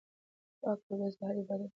پاک اودس د هر عبادت روح دی.